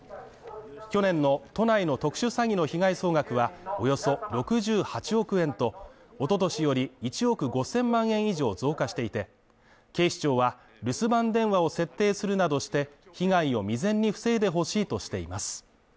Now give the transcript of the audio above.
去年の都内の特殊詐欺の被害総額はおよそ６８億円とおととしより１億５０００万円以上増加していて、警視庁は留守番電話を設定するなどして被害を未然に防いでほしいとしています。